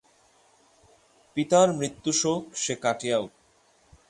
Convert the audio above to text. পিতার মৃত্যুশোক সে কাটিয়ে উঠেছে।